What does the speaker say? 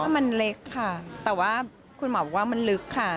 มันเล็กค่ะแต่ว่าคุณหมอบอกว่ามันลึกค่ะ